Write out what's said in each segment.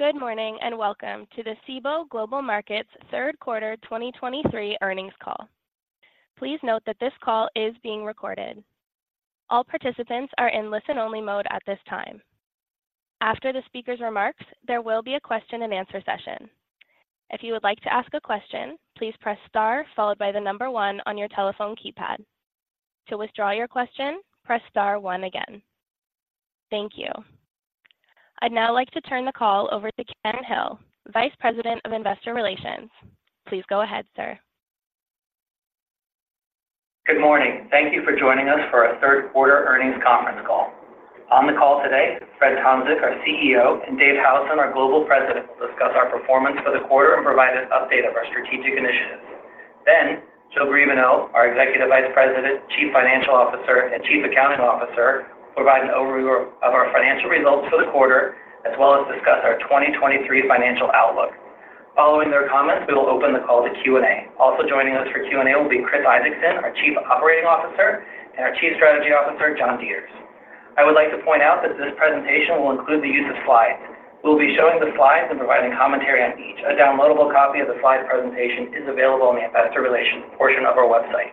Good morning, and welcome to the Cboe Global Markets third quarter 2023 earnings call. Please note that this call is being recorded. All participants are in listen-only mode at this time. After the speaker's remarks, there will be a question-and-answer session. If you would like to ask a question, please press star followed by the number one on your telephone keypad. To withdraw your question, press star one again. Thank you. I'd now like to turn the call over to Ken Hill, Vice President of Investor Relations. Please go ahead, sir. Good morning. Thank you for joining us for our third quarter earnings conference call. On the call today, Fred Tomczyk, our CEO, and Dave Howson, our Global President, will discuss our performance for the quarter and provide an update of our strategic initiatives. Then, Jill Griebenow, our Executive Vice President, Chief Financial Officer, and Chief Accounting Officer, will provide an overview of our financial results for the quarter, as well as discuss our 2023 financial outlook. Following their comments, we will open the call to Q&A. Also joining us for Q&A will be Chris Isaacson, our Chief Operating Officer, and our Chief Strategy Officer, John Deters. I would like to point out that this presentation will include the use of slides. We'll be showing the slides and providing commentary on each. A downloadable copy of the slide presentation is available on the investor relations portion of our website.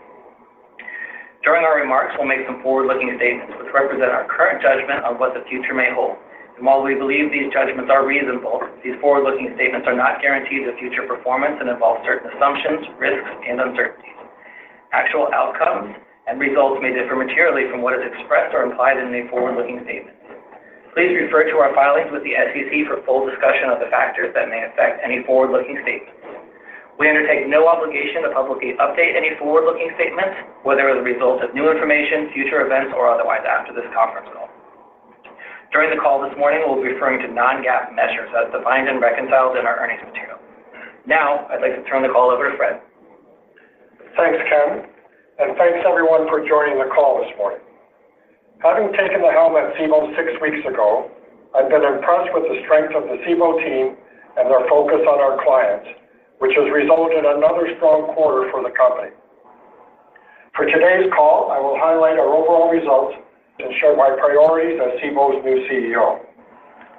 During our remarks, we'll make some forward-looking statements, which represent our current judgment of what the future may hold. And while we believe these judgments are reasonable, these forward-looking statements are not guarantees of future performance and involve certain assumptions, risks, and uncertainties. Actual outcomes and results may differ materially from what is expressed or implied in the forward-looking statements. Please refer to our filings with the SEC for a full discussion of the factors that may affect any forward-looking statements. We undertake no obligation to publicly update any forward-looking statements, whether as a result of new information, future events, or otherwise after this conference call. During the call this morning, we'll be referring to non-GAAP measures as defined and reconciled in our earnings material. Now, I'd like to turn the call over to Fred. Thanks, Ken, and thanks, everyone, for joining the call this morning. Having taken the helm at Cboe six weeks ago, I've been impressed with the strength of the Cboe team and their focus on our clients, which has resulted in another strong quarter for the company. For today's call, I will highlight our overall results and share my priorities as Cboe's new CEO.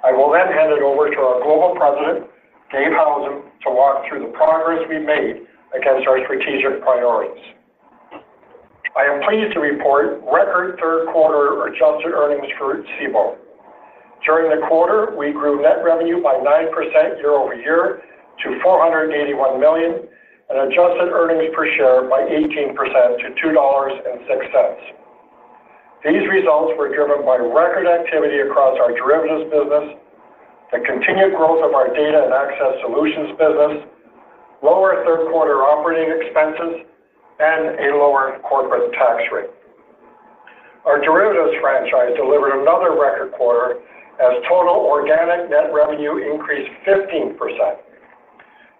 I will then hand it over to our Global President, Dave Howson, to walk through the progress we made against our strategic priorities. I am pleased to report record third quarter adjusted earnings for Cboe. During the quarter, we grew net revenue by 9% year-over-year to $481 million, and adjusted earnings per share by 18% to $2.06. These results were driven by record activity across our derivatives business, the continued growth of our data and access solutions business, lower third-quarter operating expenses, and a lower corporate tax rate. Our derivatives franchise delivered another record quarter as total organic net revenue increased 15%.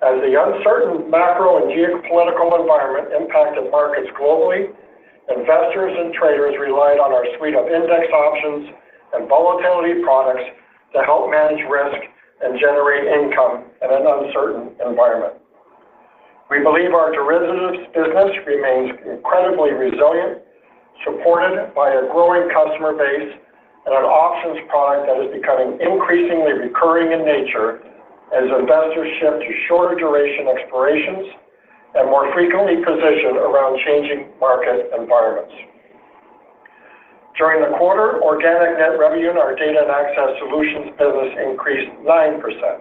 As the uncertain macro and geopolitical environment impacted markets globally, investors and traders relied on our suite of index options and volatility products to help manage risk and generate income in an uncertain environment. We believe our derivatives business remains incredibly resilient, supported by a growing customer base and an options product that is becoming increasingly recurring in nature as investors shift to shorter duration expirations and more frequently position around changing market environments. During the quarter, organic net revenue in our data and access solutions business increased 9%.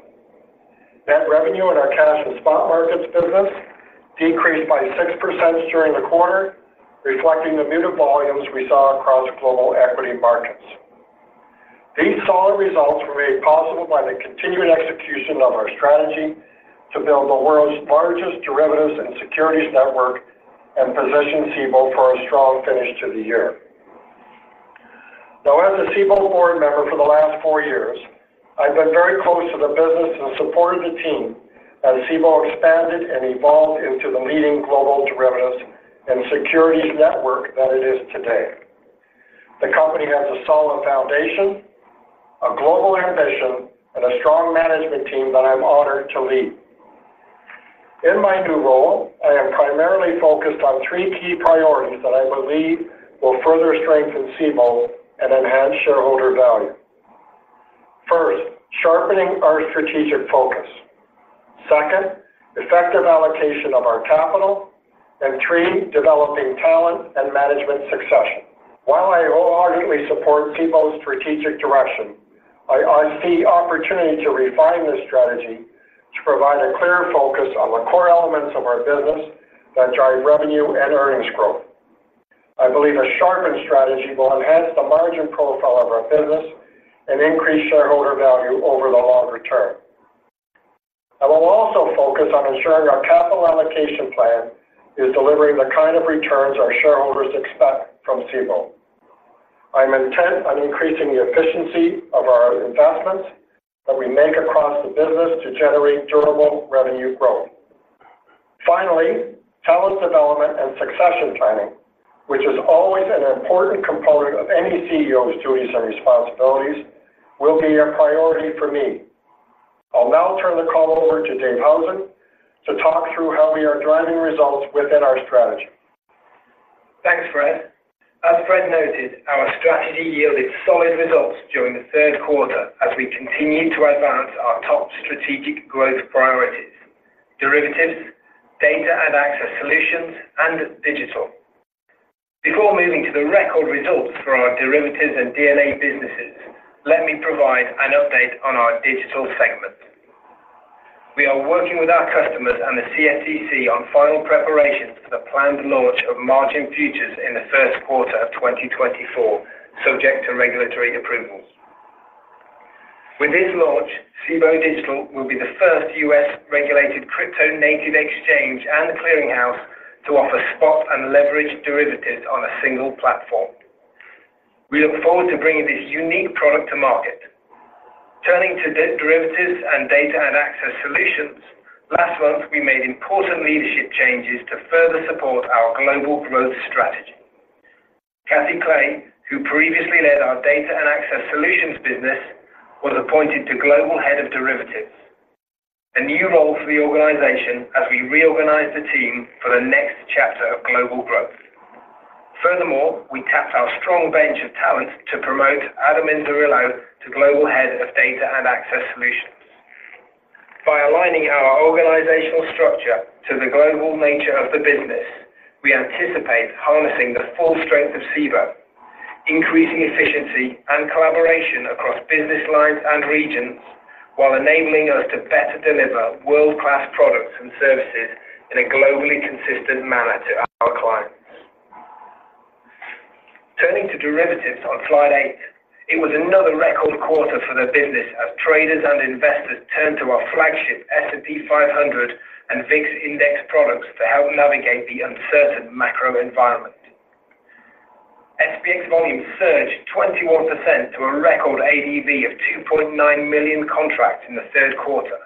Net revenue in our cash and spot markets business decreased by 6% during the quarter, reflecting the muted volumes we saw across global equity markets. These solid results were made possible by the continued execution of our strategy to build the world's largest derivatives and securities network and position Cboe for a strong finish to the year. Now, as a Cboe board member for the last 4 years, I've been very close to the business and supported the team as Cboe expanded and evolved into the leading global derivatives and securities network that it is today. The company has a solid foundation, a global ambition, and a strong management team that I'm honored to lead. In my new role, I am primarily focused on 3 key priorities that I believe will further strengthen Cboe and enhance shareholder value. First, sharpening our strategic focus, second, effective allocation of our capital, and three, developing talent and management succession. While I wholeheartedly support Cboe's strategic direction, I, I see opportunity to refine this strategy to provide a clear focus on the core elements of our business that drive revenue and earnings growth. I believe a sharpened strategy will enhance the margin profile of our business and increase shareholder value over the longer term. I will also focus on ensuring our capital allocation plan is delivering the kind of returns our shareholders expect from Cboe. I'm intent on increasing the efficiency of our investments that we make across the business to generate durable revenue growth. Finally, talent development and succession planning, which is always an important component of any CEO's duties and responsibilities, will be a priority for me. I'll now turn the call over to Dave Howson to talk through how we are driving results within our strategy. Thanks, Fred. As Fred noted, our strategy yielded solid results during the third quarter as we continued to advance our top strategic growth priorities, derivatives, data and access solutions, and digital. Before moving to the record results for our derivatives and DNA businesses, let me provide an update on our digital segment. We are working with our customers and the CFTC on final preparations for the planned launch of margin futures in the first quarter of 2024, subject to regulatory approvals. With this launch, Cboe Digital will be the first U.S.-regulated crypto-native exchange and clearinghouse to offer spot and leveraged derivatives on a single platform. We look forward to bringing this unique product to market. Turning to derivatives and data and access solutions, last month, we made important leadership changes to further support our global growth strategy. Catherine Clay, who previously led our Data and Access Solutions business, was appointed to Global Head of Derivatives, a new role for the organization as we reorganize the team for the next chapter of global growth. Furthermore, we tapped our strong bench of talent to promote Adam Inzirillo to Global Head of Data and Access Solutions. By aligning our organizational structure to the global nature of the business, we anticipate harnessing the full strength of Cboe, increasing efficiency and collaboration across business lines and regions, while enabling us to better deliver world-class products and services in a globally consistent manner to our clients. Turning to derivatives on slide eight, it was another record quarter for the business as traders and investors turned to our flagship S&P 500 and VIX index products to help navigate the uncertain macro environment. SPX volume surged 21% to a record ADV of 2.9 million contracts in the third quarter,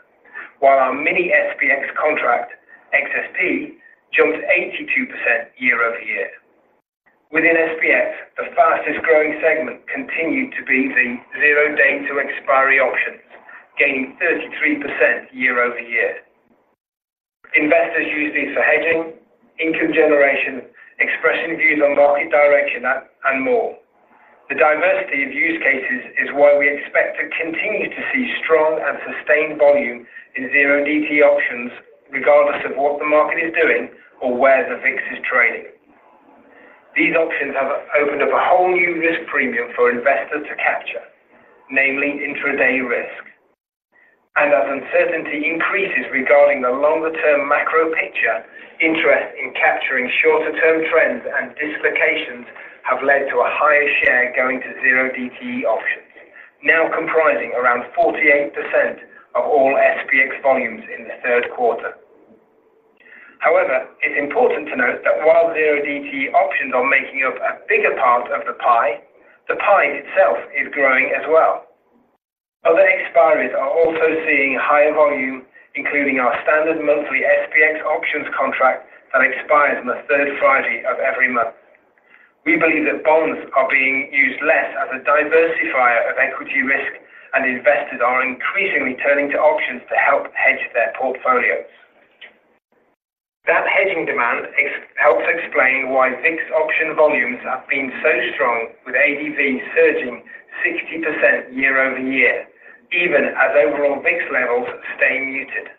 while our mini SPX contract, XSP, jumped 82% year-over-year. Within SPX, the fastest-growing segment continued to be the zero days to expiry options, gaining 33% year-over-year. Investors use these for hedging, income generation, expressing views on market direction, and more. The diversity of use cases is why we expect to continue to see strong and sustained volume in zero DTE options, regardless of what the market is doing or where the VIX is trading. These options have opened up a whole new risk premium for investors to capture, namely intraday risk. As uncertainty increases regarding the longer-term macro picture, interest in capturing shorter-term trends and dislocations have led to a higher share going to zero-DTE options, now comprising around 48% of all SPX volumes in the third quarter. However, it's important to note that while zero-DTE options are making up a bigger part of the pie, the pie itself is growing as well. Other expiries are also seeing higher volume, including our standard monthly SPX options contract that expires on the third Friday of every month. We believe that bonds are being used less as a diversifier of equity risk, and investors are increasingly turning to options to help hedge their portfolios. That hedging demand helps explain why VIX option volumes have been so strong, with ADV surging 60% year-over-year, even as overall VIX levels stay muted.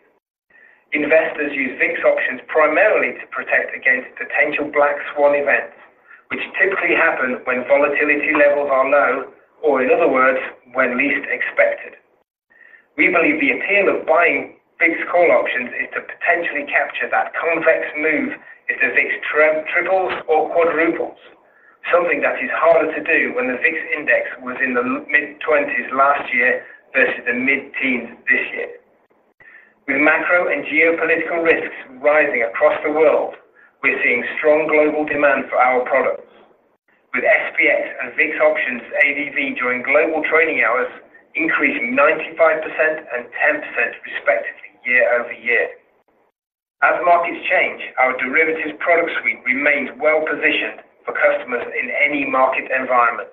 Investors use VIX options primarily to protect against potential black swan events, which typically happen when volatility levels are low, or in other words, when least expected. We believe the appeal of buying VIX call options is to potentially capture that complex move if the VIX trend triples or quadruples, something that is harder to do when the VIX index was in the mid-twenties last year versus the mid-teens this year. With macro and geopolitical risks rising across the world, we're seeing strong global demand for our products, with SPX and VIX options ADV during Global Trading Hours increasing 95% and 10% respectively year-over-year. As markets change, our derivatives product suite remains well-positioned for customers in any market environment.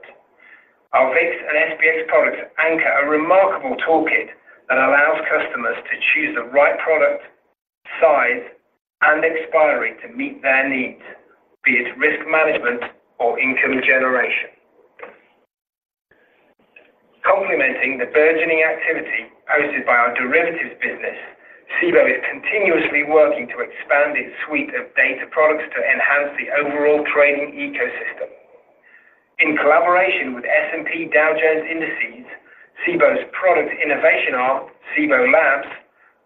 Our VIX and SPX products anchor a remarkable toolkit that allows customers to choose the right product, size, and expiry to meet their needs, be it risk management or income generation. Complementing the burgeoning activity hosted by our derivatives business, Cboe is continuously working to expand its suite of data products to enhance the overall trading ecosystem. In collaboration with S&P Dow Jones Indices, Cboe's product innovation arm, Cboe Labs,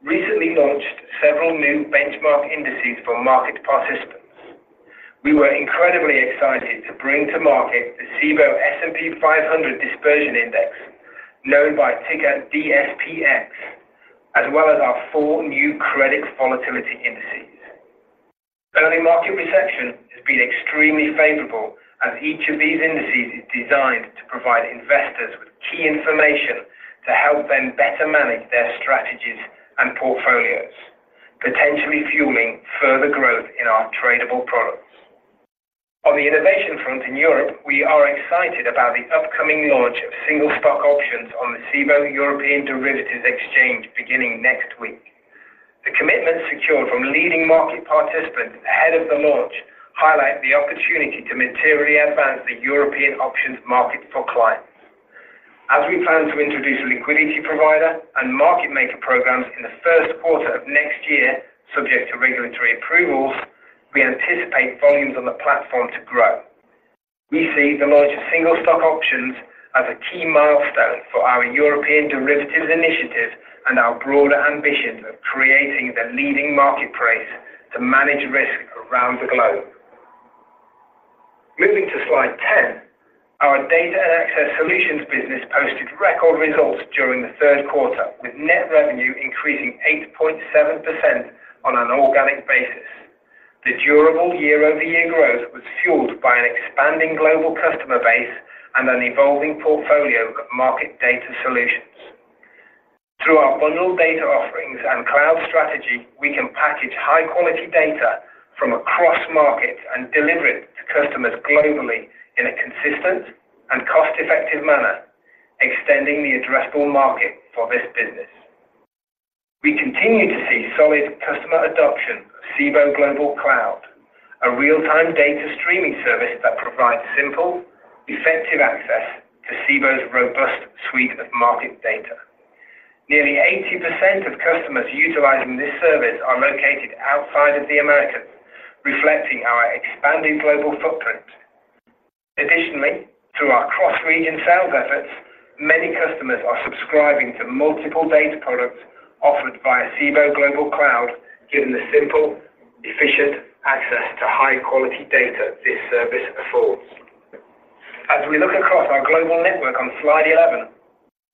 recently launched several new benchmark indices for market participants. We were incredibly excited to bring to market the Cboe S&P 500 Dispersion Index, known by ticker DSPX, as well as our four new credit volatility indices. Early market reception has been extremely favorable, as each of these indices is designed to provide investors with key information to help them better manage their strategies and portfolios, potentially fueling further growth in our tradable products. On the innovation front in Europe, we are excited about the upcoming launch of single stock options on the Cboe European Derivatives Exchange beginning next week. The commitments secured from leading market participants ahead of the launch highlight the opportunity to materially advance the European options market for clients. As we plan to introduce liquidity provider and market maker programs in the first quarter of next year, subject to regulatory approvals, we anticipate volumes on the platform to grow. We see the launch of single stock options as a key milestone for our European derivatives initiative and our broader ambitions of creating the leading marketplace to manage risk around the globe. Moving to slide 10, our data and access solutions business posted record results during the third quarter, with net revenue increasing 8.7% on an organic basis. The durable year-over-year growth was fueled by an expanding global customer base and an evolving portfolio of market data solutions. Through our bundled data offerings and cloud strategy, we can package high-quality data from across markets and deliver it to customers globally in a consistent and cost-effective manner, extending the addressable market for this business. We continue to see solid customer adoption of Cboe Global Cloud, a real-time data streaming service that provides simple, effective access to Cboe's robust suite of market data. Nearly 80% of customers utilizing this service are located outside of the Americas, reflecting our expanding global footprint. Additionally, through our cross-region sales efforts, many customers are subscribing to multiple data products offered by Cboe Global Cloud, given the simple, efficient access to high-quality data this service affords. As we look across our global network on slide 11,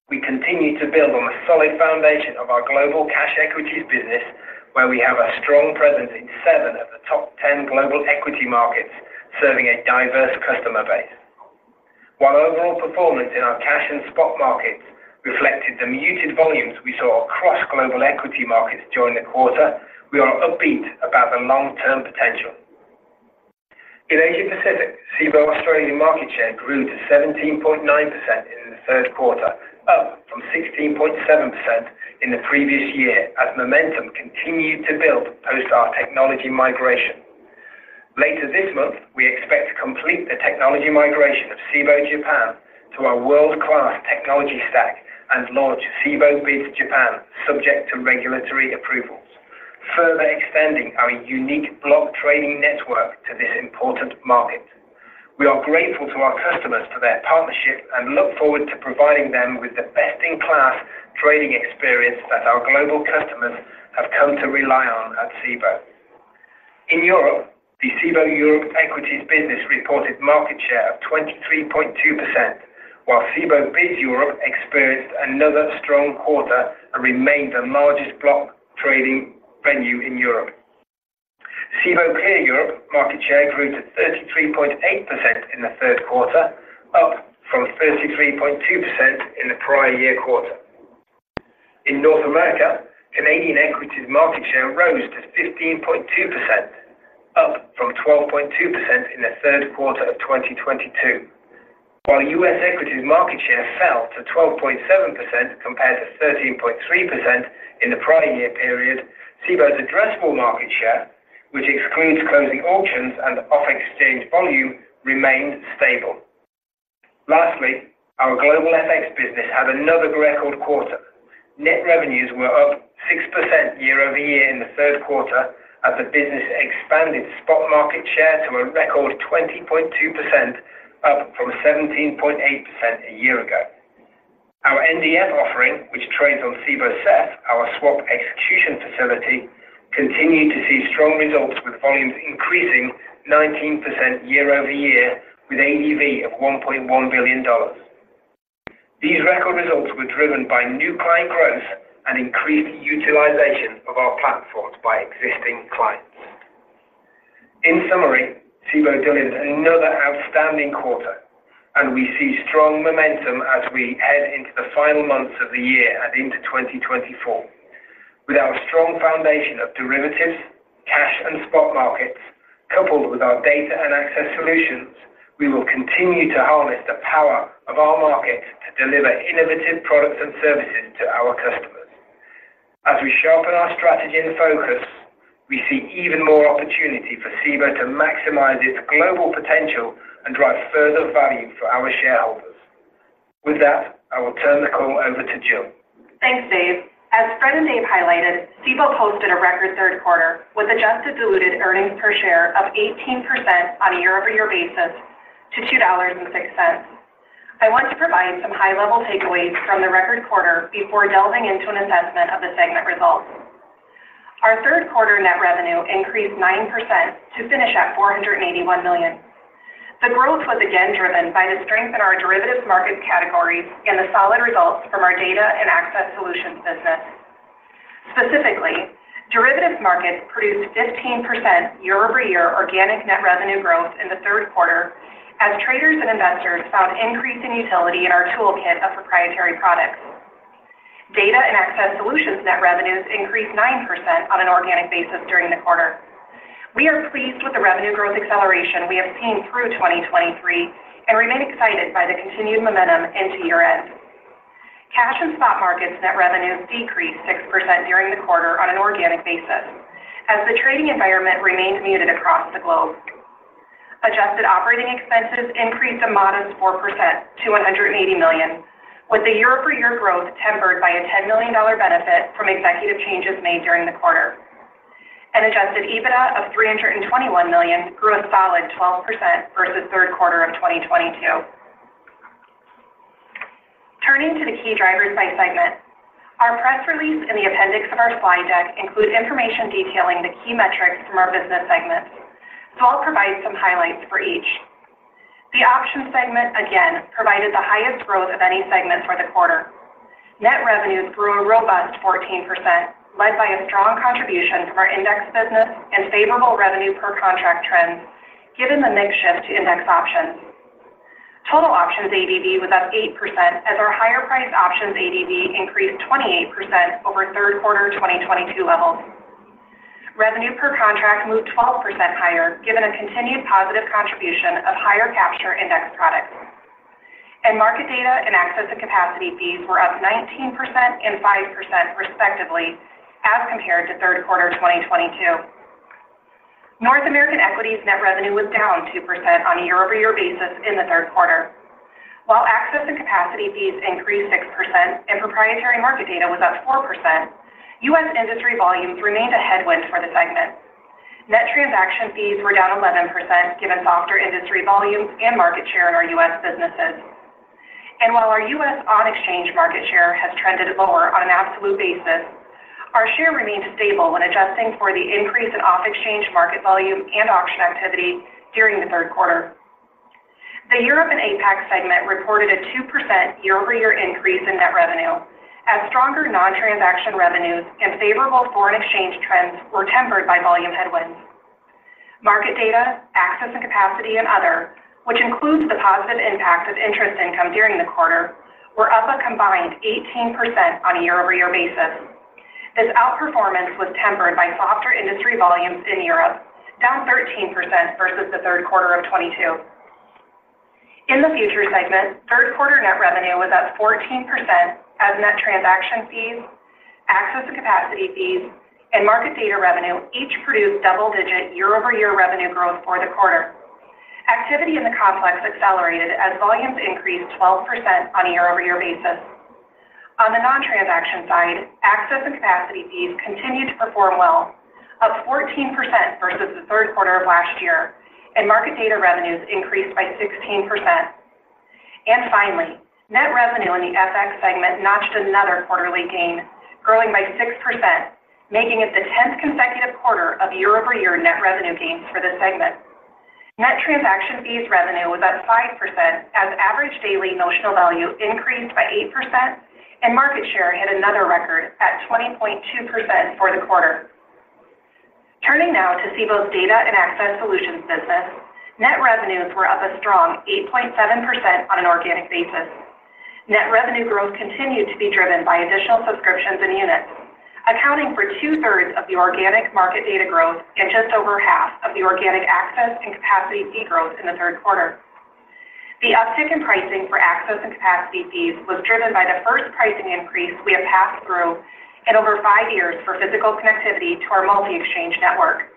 we continue to build on the solid foundation of our global cash equities business, where we have a strong presence in seven of the top ten global equity markets, serving a diverse customer base. While overall performance in our cash and spot markets reflected the muted volumes we saw across global equity markets during the quarter, we are upbeat about the long-term potential. In Asia Pacific, Cboe Australia market share grew to 17.9% in the third quarter, up from 16.7% in the previous year as momentum continued to build post our technology migration. Later this month, we expect to complete the technology migration of Cboe Japan to our world-class technology stack and launch Cboe BIDS Japan, subject to regulatory approvals, further extending our unique block trading network to this important market. We are grateful to our customers for their partnership and look forward to providing them with the best-in-class trading experience that our global customers have come to rely on at Cboe. In Europe, the Cboe Europe equities business reported market share of 23.2%, while Cboe BIDS Europe experienced another strong quarter and remained the largest block trading venue in Europe. Cboe Clear Europe market share grew to 33.8% in the third quarter, up from 33.2% in the prior year quarter. In North America, Canadian equities market share rose to 15.2%, up from 12.2% in the third quarter of 2022. While US equities market share fell to 12.7% compared to 13.3% in the prior year period, Cboe's addressable market share, which excludes closing auctions and off-exchange volume, remained stable. Lastly, our global FX business had another record quarter. Net revenues were up 6% year-over-year in the third quarter as the business expanded spot market share to a record 20.2%, up from 17.8% a year ago. Our NDF offering, which trades on Cboe SEF, our swap execution facility, continued to see strong results, with volumes increasing 19% year-over-year, with ADV of $1.1 billion. These record results were driven by new client growth and increased utilization of our platforms by existing clients. In summary, Cboe delivered another outstanding quarter, and we see strong momentum as we head into the final months of the year and into 2024. With our strong foundation of derivatives, cash, and spot markets, coupled with our data and access solutions, we will continue to harness the power of our market to deliver innovative products and services to our customers. As we sharpen our strategy and focus, we see even more opportunity for Cboe to maximize its global potential and drive further value for our shareholders. With that, I will turn the call over to Jill. Thanks, Dave. As Fred and Dave highlighted, Cboe posted a record third quarter, with adjusted diluted earnings per share of 18% on a year-over-year basis to $2.06. I want to provide some high-level takeaways from the record quarter before delving into an assessment of the segment results. Our third quarter net revenue increased 9% to finish at $481 million. The growth was again driven by the strength in our derivatives market categories and the solid results from our data and access solutions business. Specifically, derivatives markets produced 15% year-over-year organic net revenue growth in the third quarter as traders and investors found increasing utility in our toolkit of proprietary products. Data and access solutions net revenues increased 9% on an organic basis during the quarter. We are pleased with the revenue growth acceleration we have seen through 2023 and remain excited by the continued momentum into year-end. Cash and spot markets net revenues decreased 6% during the quarter on an organic basis as the trading environment remained muted across the globe. Adjusted operating expenses increased a modest 4% to $180 million, with the year-over-year growth tempered by a $10 million benefit from executive changes made during the quarter. An adjusted EBITDA of $321 million grew a solid 12% versus third quarter of 2022. Turning to the key drivers by segment, our press release in the appendix of our slide deck includes information detailing the key metrics from our business segments. So I'll provide some highlights for each. The options segment, again, provided the highest growth of any segment for the quarter. Net revenues grew a robust 14%, led by a strong contribution from our index business and favorable revenue per contract trends, given the mix shift to index options. Total options ADV was up 8%, as our higher priced options ADV increased 28% over third quarter 2022 levels. Revenue per contract moved 12% higher, given a continued positive contribution of higher capture index products. Market data and access and capacity fees were up 19% and 5%, respectively, as compared to third quarter 2022. North American equities net revenue was down 2% on a year-over-year basis in the third quarter. While access and capacity fees increased 6% and proprietary market data was up 4%, U.S. industry volumes remained a headwind for the segment. Net transaction fees were down 11%, given softer industry volumes and market share in our U.S. businesses. And while our U.S. on-exchange market share has trended lower on an absolute basis, our share remained stable when adjusting for the increase in off-exchange market volume and auction activity during the third quarter. The Europe and APAC segment reported a 2% year-over-year increase in net revenue, as stronger non-transaction revenues and favorable foreign exchange trends were tempered by volume headwinds. Market data, access and capacity, and other, which includes the positive impact of interest income during the quarter, were up a combined 18% on a year-over-year basis. This outperformance was tempered by softer industry volumes in Europe, down 13% versus the third quarter of 2022. In the futures segment, third quarter net revenue was up 14% as net transaction fees, access and capacity fees, and market data revenue each produced double-digit year-over-year revenue growth for the quarter. Activity in the complex accelerated as volumes increased 12% on a year-over-year basis. On the non-transaction side, access and capacity fees continued to perform well, up 14% versus the third quarter of last year, and market data revenues increased by 16%. And finally, net revenue in the FX segment notched another quarterly gain, growing by 6%, making it the 10th consecutive quarter of year-over-year net revenue gains for the segment. Net transaction fees revenue was up 5%, as average daily notional value increased by 8%, and market share hit another record at 20.2% for the quarter. Turning now to Cboe's Data and Access Solutions business, net revenues were up a strong 8.7% on an organic basis. Net revenue growth continued to be driven by additional subscriptions and units, accounting for two-thirds of the organic market data growth and just over half of the organic access and capacity fee growth in the third quarter. The uptick in pricing for access and capacity fees was driven by the first pricing increase we have passed through in over 5 years for physical connectivity to our multi-exchange network.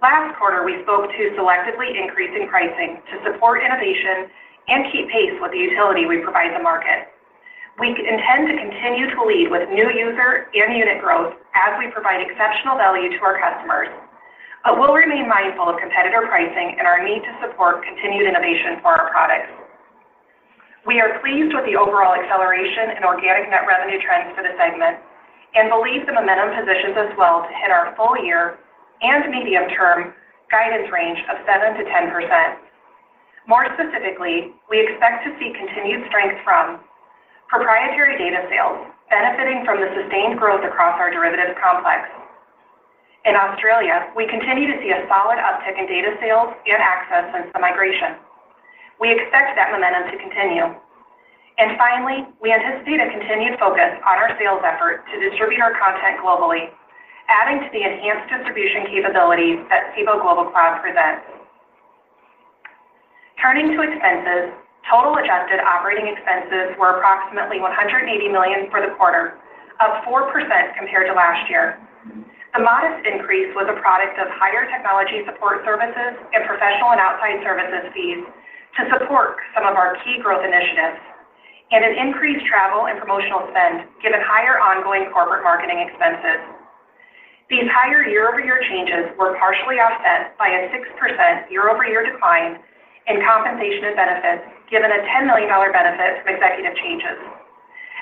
Last quarter, we spoke to selectively increasing pricing to support innovation and keep pace with the utility we provide the market. We intend to continue to lead with new user and unit growth as we provide exceptional value to our customers, but we'll remain mindful of competitor pricing and our need to support continued innovation for our products. We are pleased with the overall acceleration in organic net revenue trends for the segment and believe the momentum positions us well to hit our full year and medium-term guidance range of 7%-10%. More specifically, we expect to see continued strength from proprietary data sales, benefiting from the sustained growth across our derivatives complex. In Australia, we continue to see a solid uptick in data sales and access since the migration. We expect that momentum to continue. And finally, we anticipate a continued focus on our sales effort to distribute our content globally, adding to the enhanced distribution capabilities that Cboe Global Cloud presents. Turning to expenses, total adjusted operating expenses were approximately $180 million for the quarter, up 4% compared to last year. The modest increase was a product of higher technology support services and professional and outside services fees to support some of our key growth initiatives, and an increased travel and promotional spend, given higher ongoing corporate marketing expenses. These higher year-over-year changes were partially offset by a 6% year-over-year decline in compensation and benefits, given a $10 million benefit from executive changes.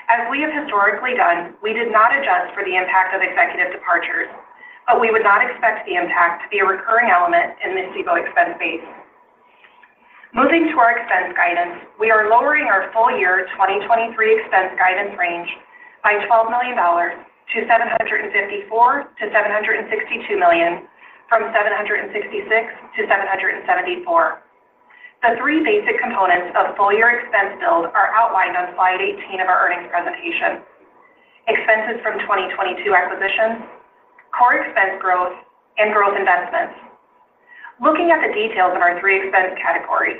As we have historically done, we did not adjust for the impact of executive departures, but we would not expect the impact to be a recurring element in the Cboe expense base. Moving to our expense guidance, we are lowering our full year 2023 expense guidance range by $12 million to $754 million-$762 million, from $766 million-$774 million. The three basic components of full-year expense build are outlined on slide 18 of our earnings presentation: expenses from 2022 acquisitions, core expense growth, and growth investments. Looking at the details in our three expense categories,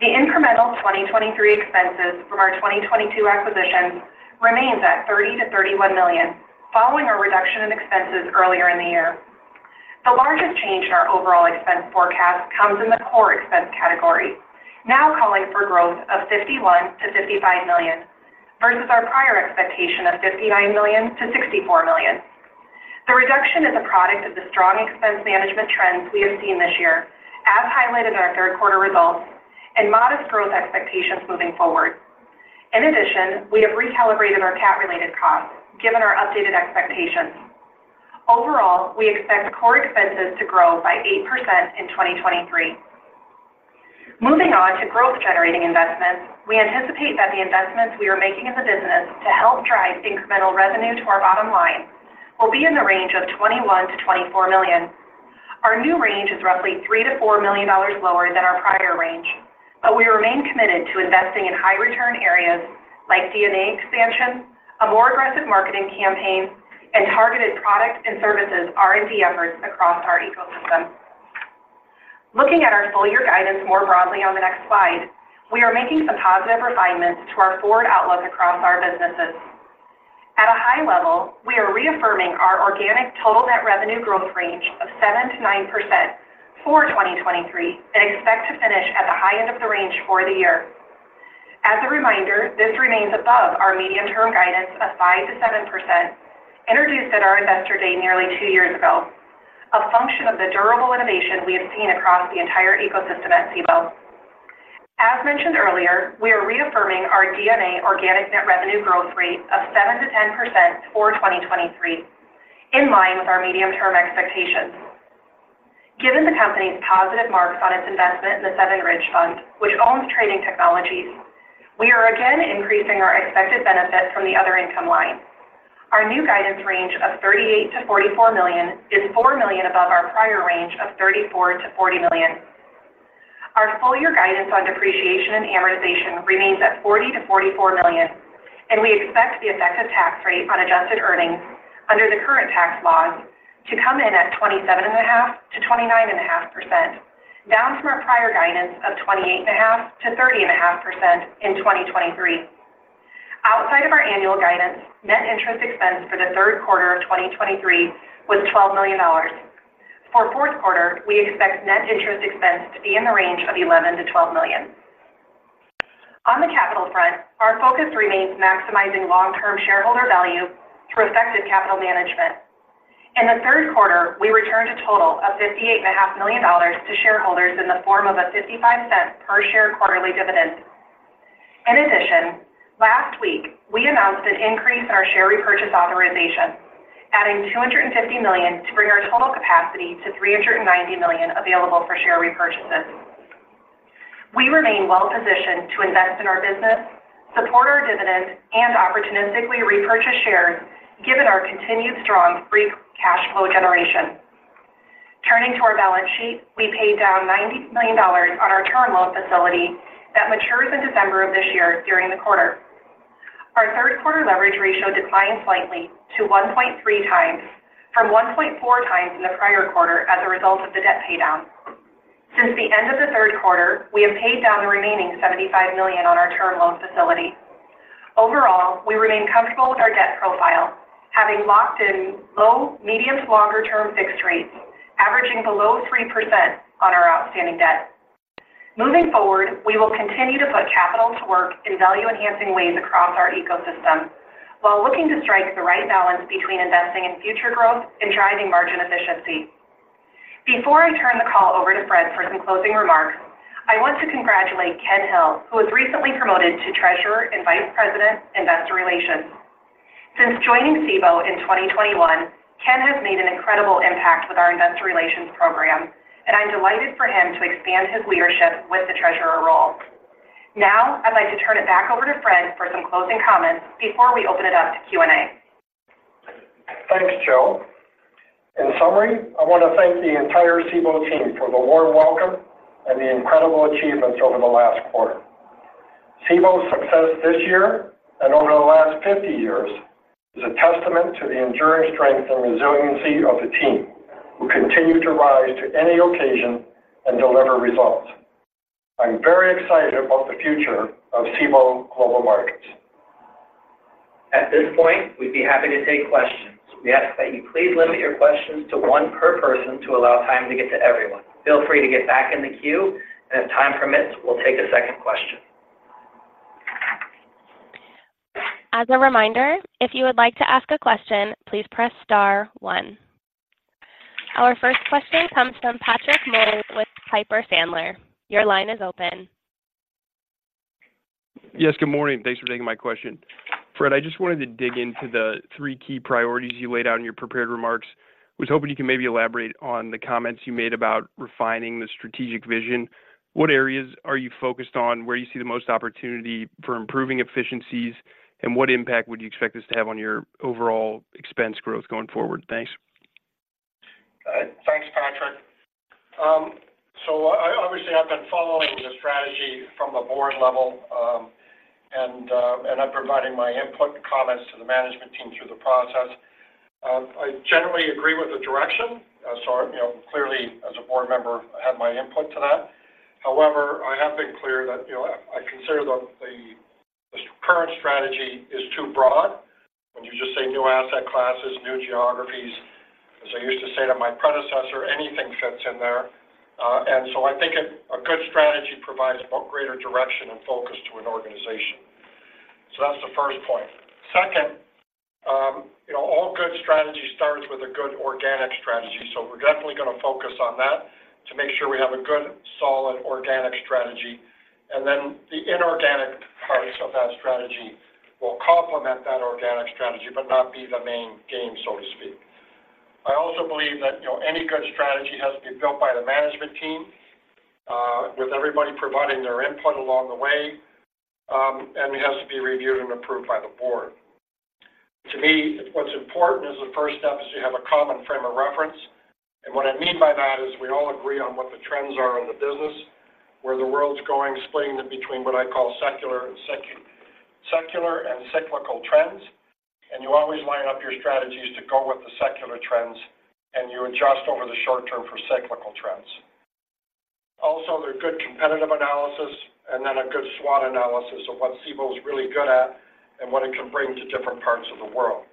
the incremental 2023 expenses from our 2022 acquisitions remains at $30 million-$31 million, following a reduction in expenses earlier in the year. The largest change in our overall expense forecast comes in the core expense category, now calling for growth of $51 million-$55 million versus our prior expectation of $59 million-$64 million. The reduction is a product of the strong expense management trends we have seen this year, as highlighted in our third quarter results and modest growth expectations moving forward. In addition, we have recalibrated our CapEx-related costs, given our updated expectations. Overall, we expect core expenses to grow by 8% in 2023. Moving on to growth-generating investments, we anticipate that the investments we are making in the business to help drive incremental revenue to our bottom line will be in the range of $21 million-$24 million. Our new range is roughly $3 million-$4 million lower than our prior range, but we remain committed to investing in high-return areas like DNA expansion, a more aggressive marketing campaign, and targeted product and services R&D efforts across our ecosystem. Looking at our full-year guidance more broadly on the next slide, we are making some positive refinements to our forward outlook across our businesses. At a high level, we are reaffirming our organic total net revenue growth range of 7%-9% for 2023 and expect to finish at the high end of the range for the year. As a reminder, this remains above our medium-term guidance of 5%-7%, introduced at our Investor Day nearly two years ago, a function of the durable innovation we have seen across the entire ecosystem at Cboe. As mentioned earlier, we are reaffirming our DNA organic net revenue growth rate of 7%-10% for 2023, in line with our medium-term expectations. Given the company's positive marks on its investment in the Seven Ridge Fund, which owns trading technology, we are again increasing our expected benefit from the other income line. Our new guidance range of $38 million-$44 million is $4 million above our prior range of $34 million-$40 million. Our full-year guidance on depreciation and amortization remains at $40 million-$44 million, and we expect the effective tax rate on adjusted earnings under the current tax laws to come in at 27.5%-29.5%, down from our prior guidance of 28.5%-30.5% in 2023. Outside of our annual guidance, net interest expense for the third quarter of 2023 was $12 million. For fourth quarter, we expect net interest expense to be in the range of $11 million-$12 million. On the capital front, our focus remains maximizing long-term shareholder value through effective capital management. In the third quarter, we returned a total of $58.5 million to shareholders in the form of a 55-cent per share quarterly dividend. In addition, last week, we announced an increase in our share repurchase authorization, adding $250 million to bring our total capacity to $390 million available for share repurchases. We remain well positioned to invest in our business, support our dividend, and opportunistically repurchase shares, given our continued strong free cash flow generation. Turning to our balance sheet, we paid down $90 million on our term loan facility that matures in December of this year during the quarter. Our third quarter leverage ratio declined slightly to 1.3 times from 1.4 times in the prior quarter as a result of the debt paydown. Since the end of the third quarter, we have paid down the remaining $75 million on our term loan facility. Overall, we remain comfortable with our debt profile, having locked in low, medium- to longer-term fixed rates, averaging below 3% on our outstanding debt. Moving forward, we will continue to put capital to work in value-enhancing ways across our ecosystem while looking to strike the right balance between investing in future growth and driving margin efficiency. Before I turn the call over to Fred for some closing remarks, I want to congratulate Ken Hill, who was recently promoted to Treasurer and Vice President, Investor Relations. Since joining Cboe in 2021, Ken has made an incredible impact with our investor relations program, and I'm delighted for him to expand his leadership with the treasurer role. Now, I'd like to turn it back over to Fred for some closing comments before we open it up to Q&A. Thanks, Jill. In summary, I want to thank the entire Cboe team for the warm welcome and the incredible achievements over the last quarter. Cboe's success this year and over the last 50 years is a testament to the enduring strength and resiliency of the team, who continue to rise to any occasion and deliver results. I'm very excited about the future of Cboe Global Markets. At this point, we'd be happy to take questions. We ask that you please limit your questions to one per person to allow time to get to everyone. Feel free to get back in the queue, and if time permits, we'll take a second question. As a reminder, if you would like to ask a question, please press star one. Our first question comes from Patrick Moley with Piper Sandler. Your line is open. Yes, good morning. Thanks for taking my question. Fred, I just wanted to dig into the three key priorities you laid out in your prepared remarks. I was hoping you could maybe elaborate on the comments you made about refining the strategic vision. What areas are you focused on, where you see the most opportunity for improving efficiencies, and what impact would you expect this to have on your overall expense growth going forward? Thanks. Thanks, Patrick. So I, obviously, I've been following the strategy from a board level, and I'm providing my input and comments to the management team through the process. I generally agree with the direction, so, you know, clearly, as a board member, I had my input to that. However, I have been clear that, you know, I consider the current strategy is too broad. When you just say new asset classes, new geographies, as I used to say to my predecessor, anything fits in there. And so I think a good strategy provides a greater direction and focus to an organization. So that's the first point. Second, you know, all good strategy starts with a good organic strategy, so we're definitely going to focus on that to make sure we have a good, solid organic strategy. And then the inorganic parts of that strategy will complement that organic strategy, but not be the main game, so to speak. I also believe that, you know, any good strategy has to be built by the management team with everybody providing their input along the way, and it has to be reviewed and approved by the board. To me, what's important is the first step is to have a common frame of reference. And what I mean by that is we all agree on what the trends are in the business, where the world's going, splitting it between what I call secular and cyclical trends. And you always line up your strategies to go with the secular trends, and you adjust over the short term for cyclical trends. Also, there are good competitive analysis and then a good SWOT analysis of what Cboe is really good at and what it can bring to different parts of the world.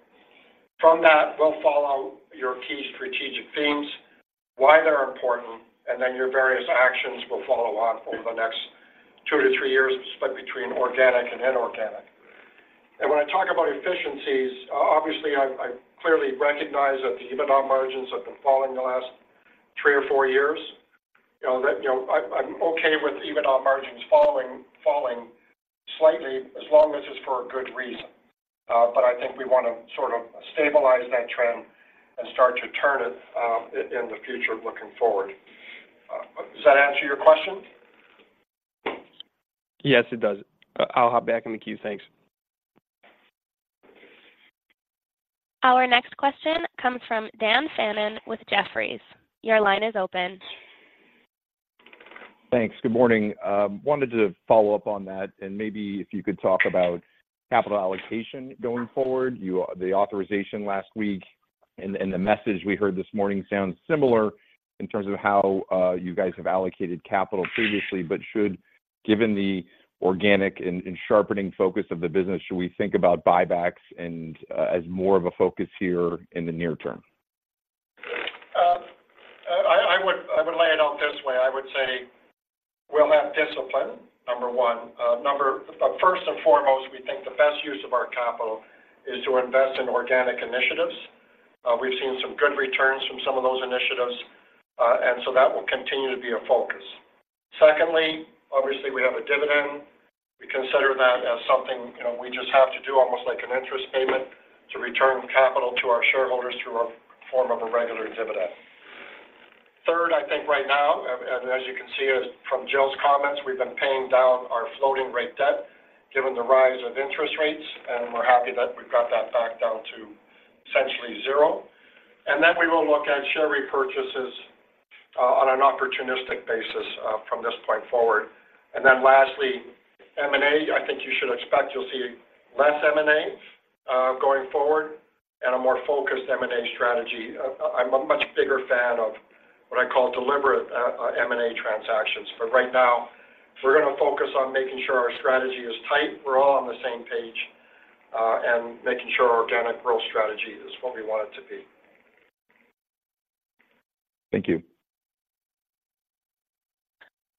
From that, we'll follow your key strategic themes, why they're important, and then your various actions will follow on over the next two to three years, split between organic and inorganic. When I talk about efficiencies, obviously, I clearly recognize that the EBITDA margins have been falling the last three or four years. You know, that, you know, I'm okay with EBITDA margins falling slightly, as long as it's for a good reason. But I think we want to sort of stabilize that trend and start to turn it in the future, looking forward. Does that answer your question? Yes, it does. I'll hop back in the queue. Thanks. Our next question comes from Dan Fannon with Jefferies. Your line is open. Thanks. Good morning. Wanted to follow up on that, and maybe if you could talk about capital allocation going forward. You—the authorization last week and the message we heard this morning sounds similar in terms of how you guys have allocated capital previously, but should, given the organic and sharpening focus of the business, should we think about buybacks and as more of a focus here in the near term? I would lay it out this way. I would say we'll have discipline, number one. First and foremost, we think the best use of our capital is to invest in organic initiatives. We've seen some good returns from some of those initiatives, and so that will continue to be a focus. Secondly, obviously, we have a dividend. We consider that as something, you know, we just have to do, almost like an interest payment, to return capital to our shareholders through a form of a regular dividend. Third, I think right now, as you can see from Jill's comments, we've been paying down our floating rate debt, given the rise of interest rates, and we're happy that we've got that back down to essentially zero. And then we will look at share repurchases, on an opportunistic basis, from this point forward. And then lastly, M&A, I think you should expect you'll see less M&A, going forward and a more focused M&A strategy. I'm a much bigger fan of what I call deliberate, M&A transactions. But right now, we're going to focus on making sure our strategy is tight, we're all on the same page, and making sure our organic growth strategy is what we want it to be. Thank you.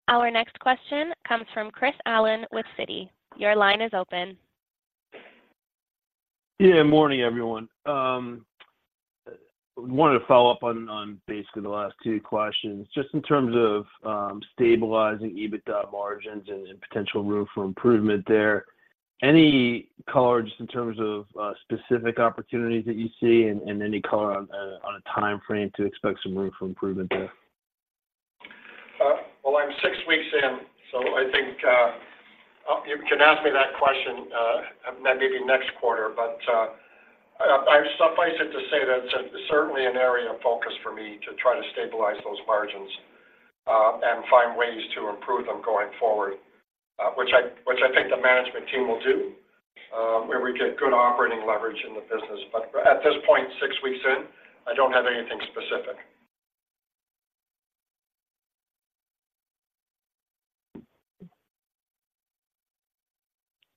Our next question comes from Chris Allen with Citi. Your line is open. Yeah, morning, everyone. Wanted to follow up on, on basically the last two questions. Just in terms of, stabilizing EBITDA margins and, and potential room for improvement there. Any color just in terms of, specific opportunities that you see and, and any color on, on a time frame to expect some room for improvement there? Well, I'm six weeks in, so I think you can ask me that question maybe next quarter. But I suffice it to say that it's certainly an area of focus for me to try to stabilize those margins and find ways to improve them going forward, which I, which I think the management team will do, where we get good operating leverage in the business. But at this point, six weeks in, I don't have anything specific.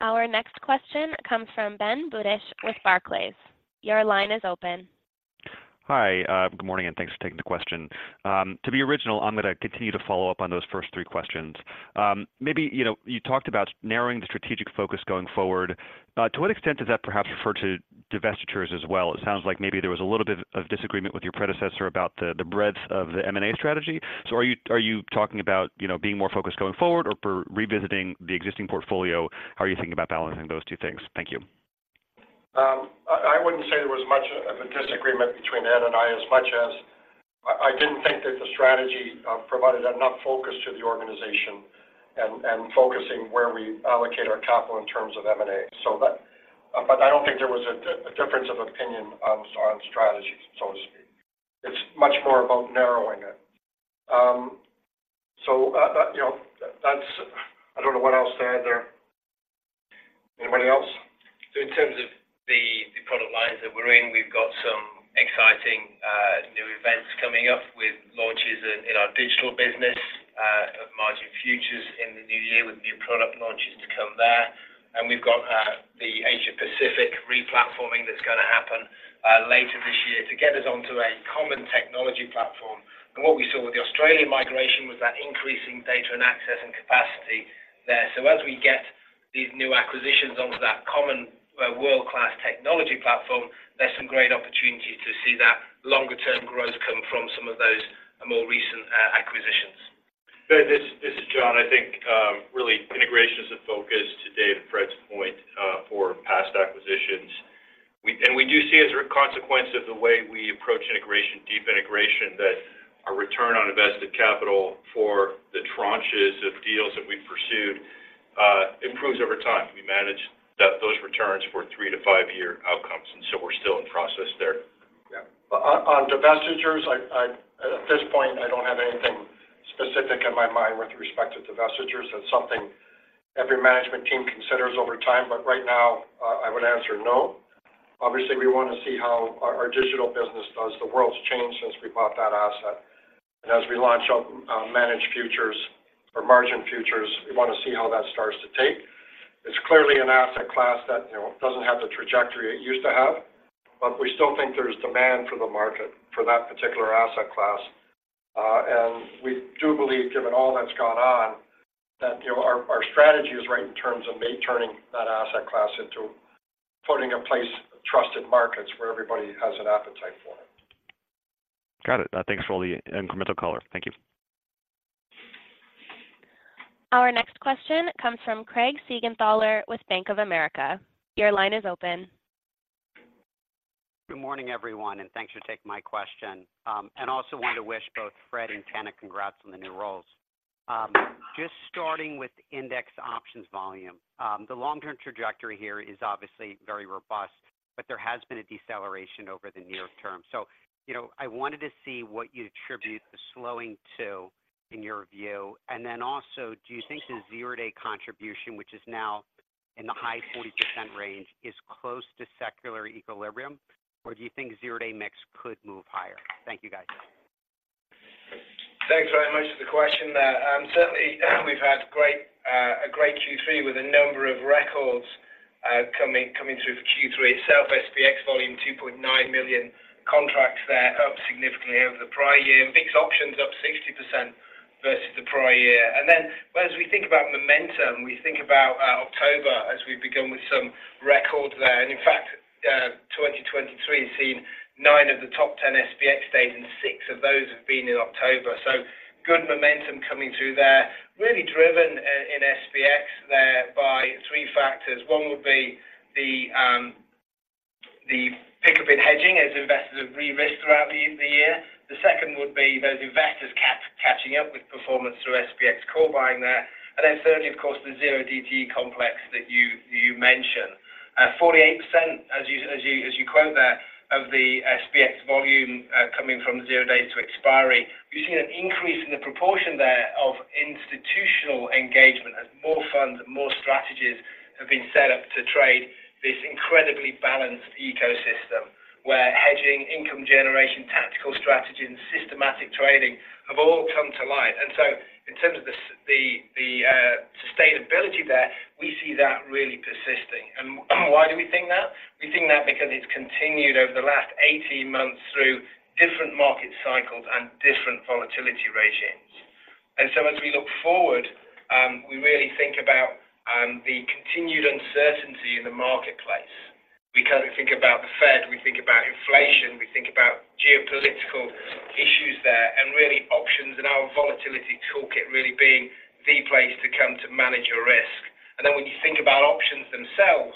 Our next question comes from Ben Budish with Barclays. Your line is open. Hi, good morning, and thanks for taking the question. To be original, I'm gonna continue to follow up on those first three questions. Maybe, you know, you talked about narrowing the strategic focus going forward. To what extent does that perhaps refer to divestitures as well? It sounds like maybe there was a little bit of disagreement with your predecessor about the, the breadth of the M&A strategy. So are you, are you talking about, you know, being more focused going forward or for revisiting the existing portfolio? How are you thinking about balancing those two things? Thank you. I wouldn't say there was much of a disagreement between Ed and I, as much as I didn't think that the strategy provided enough focus to the organization... and focusing where we allocate our capital in terms of M&A. So but, but I don't think there was a difference of opinion on strategy, so to speak. It's much more about narrowing it. But, you know, that's, I don't know what else to add there. Anybody else? So in terms of the product lines that we're in, we've got some exciting new events coming up with launches in our digital business of margin futures in the new year, with new product launches to come there. We've got the Asia Pacific replatforming that's going to happen later this year to get us onto a common technology platform. What we saw with the Australian migration was that increasing data and access and capacity there. As we get these new acquisitions onto that common world-class technology platform, there's some great opportunity to see that longer-term growth come from some of those more recent acquisitions. Ben, this is John. I think really integration is a focus today, to Fred's point, for past acquisitions. We and we do see as a consequence of the way we approach integration, deep integration, that our return on invested capital for the tranches of deals that we've pursued, improves over time. We manage those returns for 3-5-year outcomes, and so we're still in process there. Yeah. On divestitures, at this point, I don't have anything specific in my mind with respect to divestitures. That's something every management team considers over time, but right now, I would answer no. Obviously, we want to see how our digital business does. The world's changed since we bought that asset, and as we launch our managed futures or margin futures, we want to see how that starts to take. It's clearly an asset class that, you know, doesn't have the trajectory it used to have, but we still think there's demand for the market for that particular asset class. And we do believe, given all that's gone on, that, you know, our strategy is right in terms of may turning that asset class into putting in place trusted markets where everybody has an appetite for it. Got it. Thanks for all the incremental color. Thank you. Our next question comes from Craig Siegenthaler with Bank of America. Your line is open. Good morning, everyone, and thanks for taking my question. And also wanted to wish both Fred and Ken congrats on the new roles. Just starting with index options volume, the long-term trajectory here is obviously very robust, but there has been a deceleration over the near term. So, you know, I wanted to see what you attribute the slowing to, in your view. And then also, do you think the zero-day contribution, which is now in the high 40% range, is close to secular equilibrium, or do you think zero-day mix could move higher? Thank you, guys. Thanks very much for the question there. Certainly, we've had a great Q3 with a number of records coming through for Q3 itself, SPX volume, 2.9 million contracts there, up significantly over the prior year, and VIX options up 60% versus the prior year. And then as we think about momentum, we think about October as we've begun with some records there. And in fact, 2023 has seen nine of the top 10 SPX days, and six of those have been in October. So good momentum coming through there, really driven in SPX there by three factors. One would be the pick-up in hedging as investors have re-risked throughout the year. The second would be those investors catching up with performance through SPX call buying there. And then thirdly, of course, the zero DTE complex that you mentioned. Forty-eight percent, as you quote there, of the SPX volume coming from zero days to expiry. We've seen an increase in the proportion there of institutional engagement as more funds and more strategies have been set up to trade this incredibly balanced ecosystem, where hedging, income generation, tactical strategy, and systematic trading have all come to light. And so in terms of the sustainability there, we see that really persisting. And why do we think that? We think that because it's continued over the last 18 months through different market cycles and different volatility regimes. And so as we look forward, we really think about the continued uncertainty in the marketplace. We kind of think about the Fed, we think about inflation, we think about geopolitical issues there, and really, options in our volatility toolkit really being the place to come to manage your risk. And then when you think about options themselves,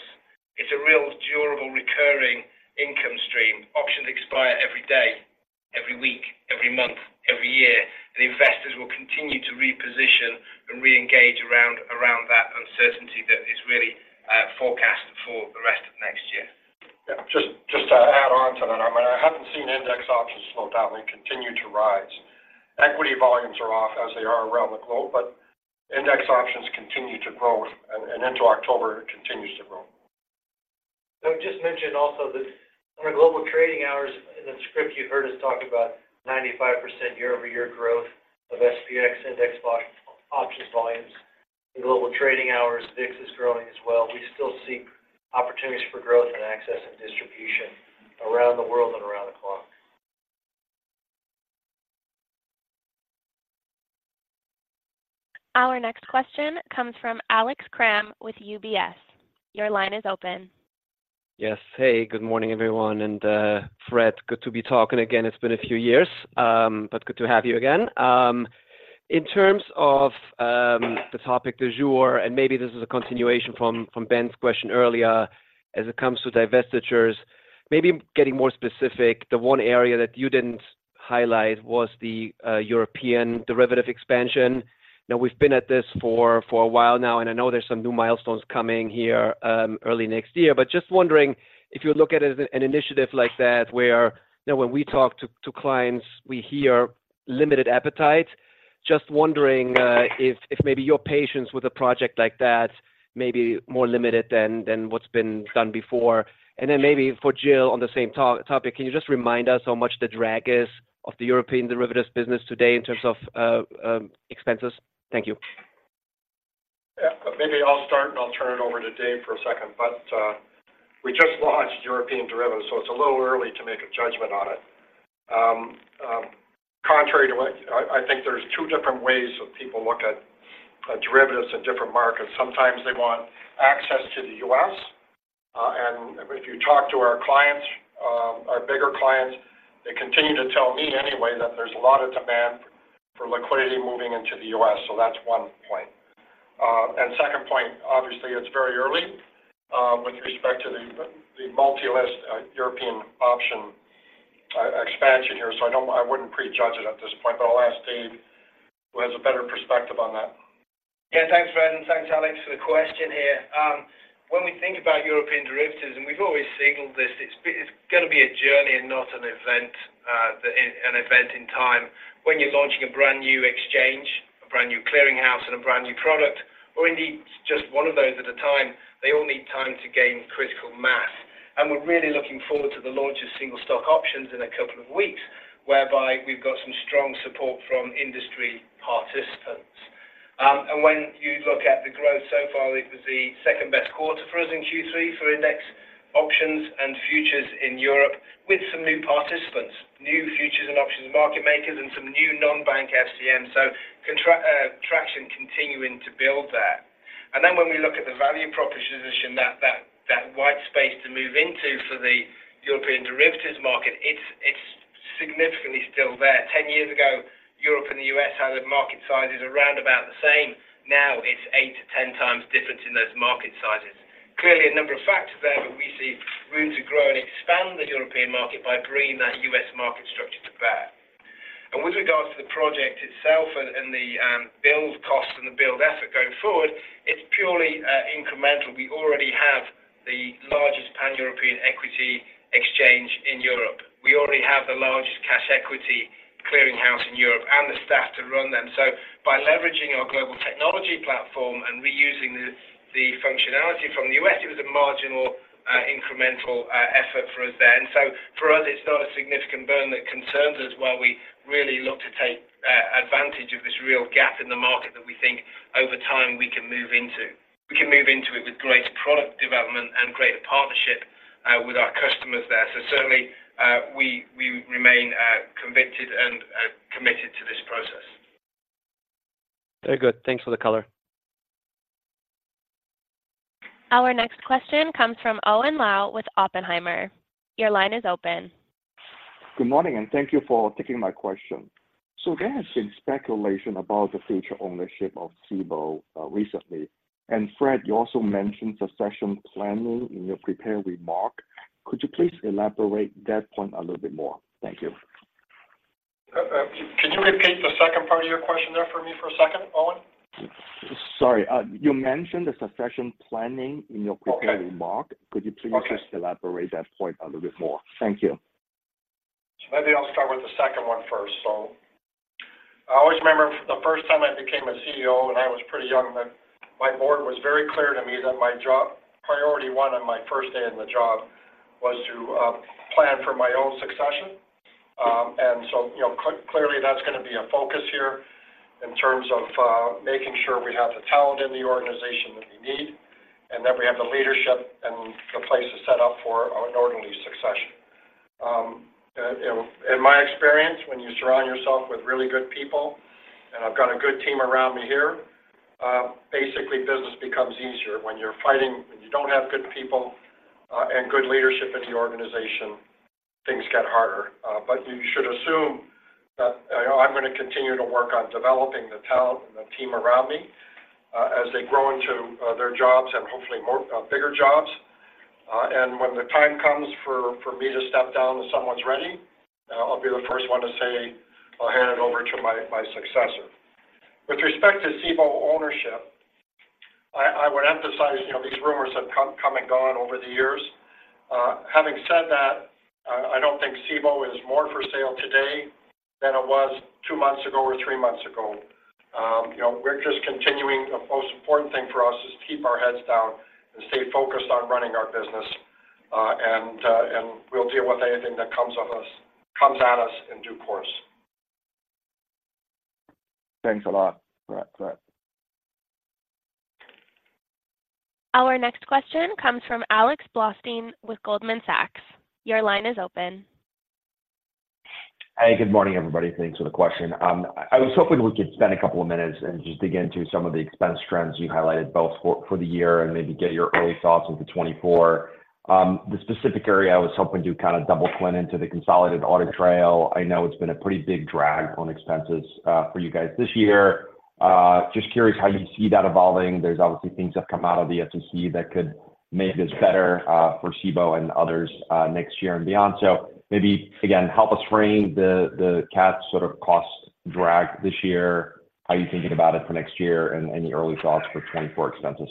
it's a real durable recurring income stream. Options expire every day, every week, every month, every year, and investors will continue to reposition and reengage around, around that uncertainty that is really, forecast for the rest of next year. Yeah, just, just to add on to that, I mean, I haven't seen index options slow down. They continue to rise. Equity volumes are off, as they are around the globe, but index options continue to grow, and, and into October, it continues to grow. I'll just mention also that on our Global Trading Hours, in the script, you heard us talk about 95% year-over-year growth of SPX index options volumes. In Global Trading Hours, VIX is growing as well. We still see opportunities for growth and access and distribution around the world and around the clock. Our next question comes from Alex Kramm with UBS. Your line is open. Yes. Hey, good morning, everyone, and, Fred, good to be talking again. It's been a few years, but good to have you again. In terms of, the topic du jour, and maybe this is a continuation from Ben's question earlier, as it comes to divestitures, maybe getting more specific, the one area that you didn't highlight was the European derivative expansion. Now we've been at this for a while now, and I know there's some new milestones coming here, early next year. But just wondering, if you look at it as an initiative like that, where, you know, when we talk to clients, we hear limited appetite. Just wondering, if maybe your patience with a project like that may be more limited than what's been done before. And then maybe for Jill, on the same topic, can you just remind us how much the drag is of the European derivatives business today in terms of expenses? Thank you. Yeah. Maybe I'll start, and I'll turn it over to Dave for a second, but we just launched European derivatives, so it's a little early to make a judgment on it. Contrary to what... I think there's two different ways that people look at derivatives in different markets. Sometimes they want access to the U.S., and if you talk to our clients, our bigger clients, they continue to tell me anyway, that there's a lot of demand for liquidity moving into the U.S. So that's one point. And second point, obviously, it's very early with respect to the multi-listed European options expansion here. So I don't-- I wouldn't pre-judge it at this point, but I'll ask Dave, who has a better perspective on that. Yeah, thanks, Fred, and thanks, Alex, for the question here. When we think about European derivatives, and we've always signaled this, it's gonna be a journey and not an event, an event in time. When you're launching a brand-new exchange, a brand-new clearinghouse, and a brand-new product, or indeed, just one of those at a time, they all need time to gain critical mass. And we're really looking forward to the launch of single stock options in a couple of weeks, whereby we've got some strong support from industry participants. And when you look at the growth so far, it was the second-best quarter for us in Q3 for index options and futures in Europe, with some new participants, new futures and options market makers, and some new non-bank FCMs. So traction continuing to build there. Then when we look at the value proposition that white space to move into for the European derivatives market, it's significantly still there. 10 years ago, Europe and the U.S. had their market sizes around about the same. Now it's 8-10 times difference in those market sizes. Clearly, a number of factors there, but we see room to grow and expand the European market by bringing that U.S. market structure to bear. With regards to the project itself and the build cost and the build effort going forward, it's purely incremental. We already have the largest pan-European equity exchange in Europe. We already have the largest cash equity clearinghouse in Europe and the staff to run them. So by leveraging our global technology platform and reusing the functionality from the U.S., it was a marginal, incremental, effort for us there. And so for us, it's not a significant burn that concerns us while we really look to take, advantage of this real gap in the market that we think over time we can move into. We can move into it with greater product development and greater partnership, with our customers there. So certainly, we remain, convicted and, committed to this process. Very good. Thanks for the color. Our next question comes from Owen Lau with Oppenheimer. Your line is open. Good morning, and thank you for taking my question. So there has been speculation about the future ownership of Cboe recently. And Fred, you also mentioned succession planning in your prepared remark. Could you please elaborate that point a little bit more? Thank you. Can you repeat the second part of your question there for me for a second, Owen? Sorry. You mentioned the succession planning in your prepared.. Okay Remark. Could you please... Okay. Just elaborate that point a little bit more? Thank you. So maybe I'll start with the second one first. So I always remember the first time I became a CEO, and I was pretty young then. My board was very clear to me that my job, priority one on my first day on the job was to plan for my own succession. And so, you know, clearly, that's gonna be a focus here in terms of making sure we have the talent in the organization that we need, and that we have the leadership and the place is set up for an orderly succession. In my experience, when you surround yourself with really good people, and I've got a good team around me here, basically, business becomes easier. When you're fighting and you don't have good people and good leadership in the organization, things get harder. But you should assume that I'm gonna continue to work on developing the talent and the team around me, as they grow into their jobs and hopefully more bigger jobs. And when the time comes for me to step down and someone's ready, I'll be the first one to say, "I'll hand it over to my successor." With respect to Cboe ownership, I would emphasize, you know, these rumors have come and gone over the years. Having said that, I don't think Cboe is more for sale today than it was two months ago or three months ago. You know, we're just continuing. The most important thing for us is to keep our heads down and stay focused on running our business, and we'll deal with anything that comes at us in due course. Thanks a lot. Right. Bye. Our next question comes from Alex Blostein with Goldman Sachs. Your line is open. Hey, good morning, everybody. Thanks for the question. I was hoping we could spend a couple of minutes and just dig into some of the expense trends you highlighted both for the year and maybe get your early thoughts into 2024. The specific area I was hoping to kind of double click into the Consolidated Audit Trail. I know it's been a pretty big drag on expenses for you guys this year. Just curious how you see that evolving. There's obviously things that have come out of the SEC that could make this better for Cboe and others next year and beyond. So maybe, again, help us frame the CAT sort of cost drag this year. How are you thinking about it for next year, and any early thoughts for 2024 expenses?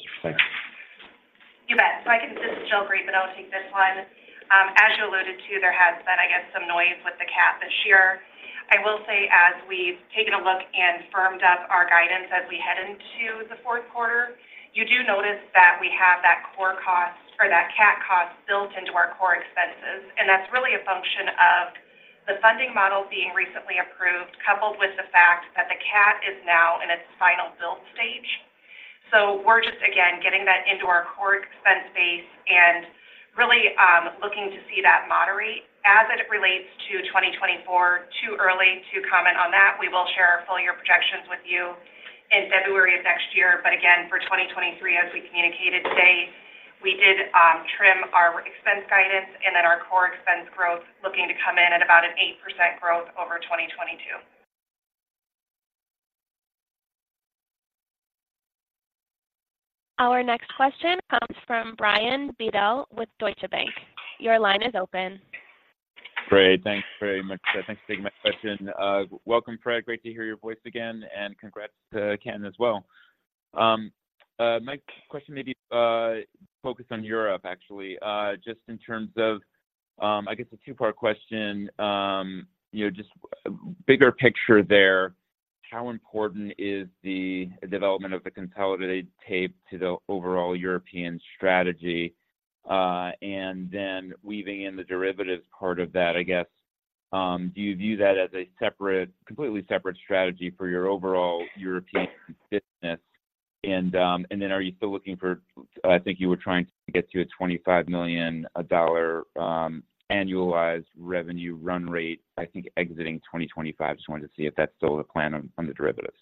Thanks. You bet. So this is Jill Griebenow, but I'll take this one. As you alluded to, there has been, I guess, some noise with the CAT this year. I will say, as we've taken a look and firmed up our guidance as we head into the fourth quarter, you do notice that we have that core cost or that CAT cost built into our core expenses, and that's really a function of the funding model being recently approved, coupled with the fact that the CAT is now in its final build stage. So we're just, again, getting that into our core expense base and really looking to see that moderate. As it relates to 2024, too early to comment on that. We will share our full year projections with you in February of next year. But again, for 2023, as we communicated today, we did trim our expense guidance and then our core expense growth, looking to come in at about an 8% growth over 2022. Our next question comes from Brian Bedell with Deutsche Bank. Your line is open. Great. Thanks very much. Thanks for taking my question. Welcome, Fred. Great to hear your voice again, and congrats to Ken as well. My question may be focused on Europe, actually. Just in terms of, I guess, a two-part question, you know, just bigger picture there, how important is the development of the consolidated tape to the overall European strategy? And then weaving in the derivatives part of that, I guess, do you view that as a separate - completely separate strategy for your overall European business? And then are you still looking for... I think you were trying to get to a $25 million annualized revenue run rate, I think, exiting 2025. Just wanted to see if that's still the plan on the derivatives.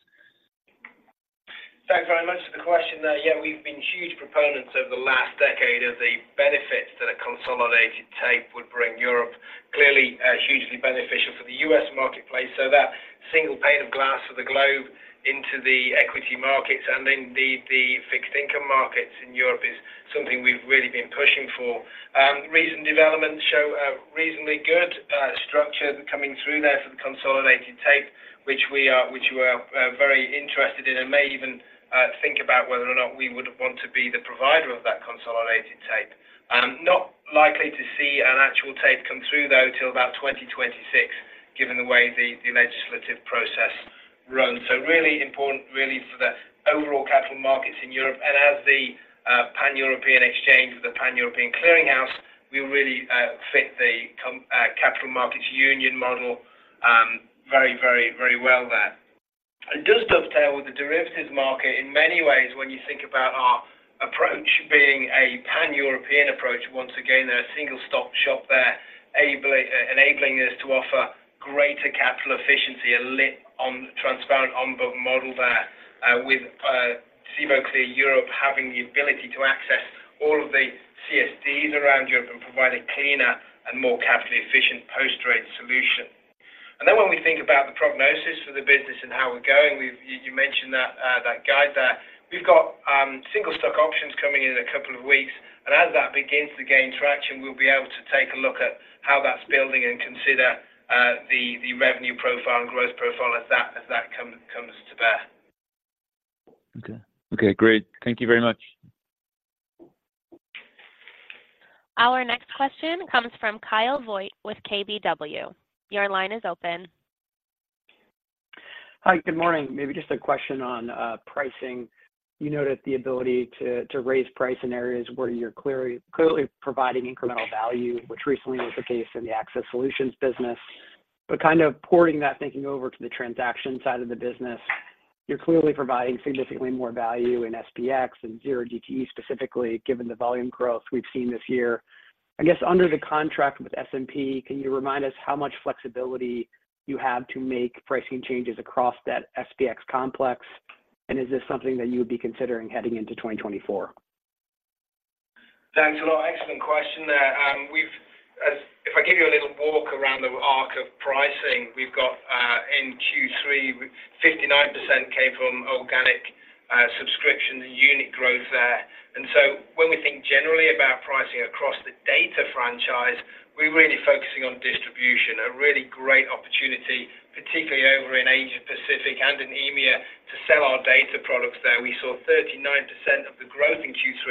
Thanks very much for the question there. Yeah, we've been huge proponents over the last decade of the benefits that a consolidated tape would bring Europe. Clearly, hugely beneficial for the U.S. marketplace. So that single pane of glass for the globe into the equity markets and then the fixed income markets in Europe is something we've really been pushing for. Recent developments show a reasonably good structure coming through there for the consolidated tape, which we are very interested in, and may even think about whether or not we would want to be the provider of that consolidated tape. Not likely to see an actual tape come through, though, till about 2026, given the way the legislative process runs. So really important, really for the overall capital markets in Europe. And as the pan-European exchange or the pan-European clearing house, we really fit the Capital Markets Union model very, very, very well there. It does dovetail with the derivatives market in many ways when you think about our approach being a Pan-European approach. Once again, they're a single-stop shop there, enabling us to offer greater capital efficiency, a lit transparent on-book model there, with Cboe Clear Europe having the ability to access all of the CSDs around Europe and provide a cleaner and more capital-efficient post-trade solution. And then when we think about the prognosis for the business and how we're going, you mentioned that guide there. We've got single stock options coming in a couple of weeks, and as that begins to gain traction, we'll be able to take a look at how that's building and consider the revenue profile and growth profile as that comes to bear. Okay. Okay, great. Thank you very much. Our next question comes from Kyle Voigt with KBW. Your line is open. Hi, good morning. Maybe just a question on pricing. You noted the ability to raise price in areas where you're clearly, clearly providing incremental value, which recently was the case in the Access Solutions business. But kind of porting that thinking over to the transaction side of the business, you're clearly providing significantly more value in SPX and Zero DTE, specifically, given the volume growth we've seen this year. I guess under the contract with S&P, can you remind us how much flexibility you have to make pricing changes across that SPX complex? And is this something that you would be considering heading into 2024? Thanks a lot. Excellent question there. We've if I give you a little walk around the arc of pricing, we've got, in Q3, 59% came from organic, subscription, the unit growth there. And so when we think generally about pricing across the data franchise, we're really focusing on distribution, a really great opportunity, particularly over in Asia Pacific and in EMEA, to sell our data products there. We saw 39% of the growth in Q3